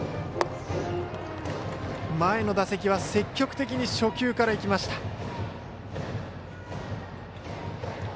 前の打席は積極的に初球からいきました。